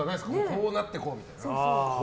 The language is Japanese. こうなってこうみたいな。